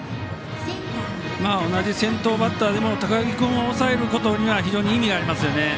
同じ先頭バッターでも高木君を抑えることには非常に意味がありますよね。